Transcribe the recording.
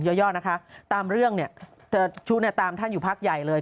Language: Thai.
ย่อนะคะตามเรื่องเนี่ยตามท่านอยู่ภาคใหญ่เลย